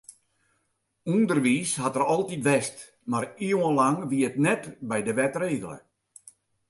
Underwiis hat der altyd west, mar iuwenlang wie it net by de wet regele.